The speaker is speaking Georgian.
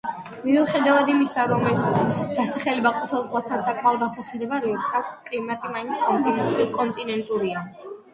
მიუხედავად იმისა რომ ეს დასახლება ყვითელ ზღვასთან საკმაოდ ახლოს მდებარეობს, აქ კლიმატი მაინც კონტინენტურია.